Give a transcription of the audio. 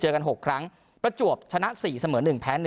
กัน๖ครั้งประจวบชนะ๔เสมอ๑แพ้๑